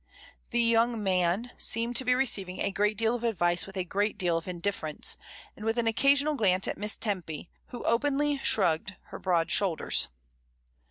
The young man seemed to be receiving a great deal of advice with a great deal of indifference, and with an occasional glance at Miss Tempy, who openly shrugged her broad shoulders.